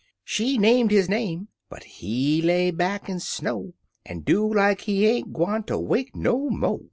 She named his name, but he lay back an' sno'. An' do like he ain't gwtneter wake no mo'.